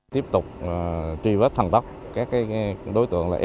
tiếp tục tri vết thẳng tóc các đối tượng